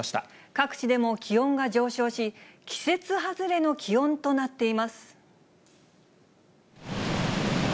各地でも気温が上昇し、季節外れの気温となっています。